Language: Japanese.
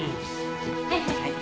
はい。